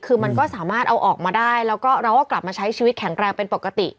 คือมันก็สามารถเอาออกมาได้แล้วก็เราก็กลับมาใช้ชีวิตแข็งแรงเป็นปกติ